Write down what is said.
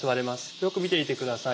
よく見ていてください。